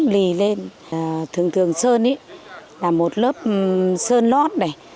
lấy dây ráp lì lên thường thường sơn ý là một lớp sơn lót này